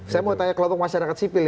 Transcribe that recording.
saya mau tanya kelompok masyarakat sipil